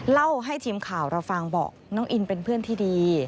เล่าให้ทีมข่าวเราฟังบอกน้องอินเป็นเพื่อนที่ดี